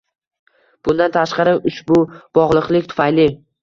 Bundan tashqari, ushbu bog‘liqlik tufayli